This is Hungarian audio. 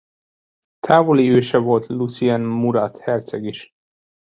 Távoli őse volt Lucien Murat herceg is.